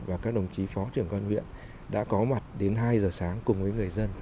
và các đồng chí phó trưởng công an huyện đã có mặt đến hai giờ sáng cùng với người dân